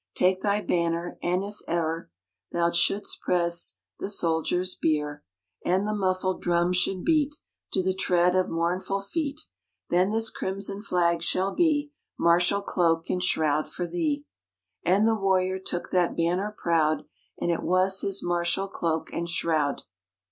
_"_Take thy Banner; and if e'er Thou shouldst press the soldier's bier And the muffled drum should beat To the tread of mournful feet, Then this Crimson Flag shall be Martial cloak and shroud for thee!_" _And the Warrior took that Banner proud, And it was his martial cloak and shroud.